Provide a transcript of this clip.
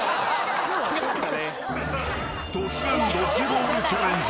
［突然ドッジボールチャレンジ。